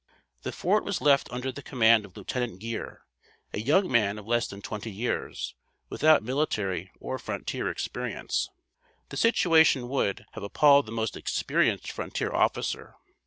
The fort was left under the command of Lieut. Gere, a young man of less than twenty years, without military or frontier experience. The situation would, have appalled the most experienced frontier officer.